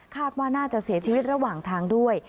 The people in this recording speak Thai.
ว่าน่าจะเสียชีวิตระหว่างทางด้วย